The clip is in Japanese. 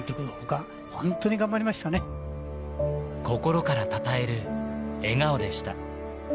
心からたたえる笑顔でした。